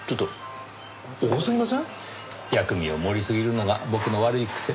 薬味を盛りすぎるのが僕の悪い癖。